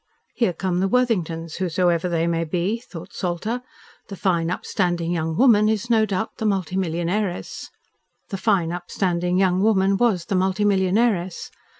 "Here come the Worthingtons, whosoever they may be," thought Salter. "The fine up standing young woman is, no doubt, the multi millionairess." The fine, up standing young woman WAS the multi millionairess.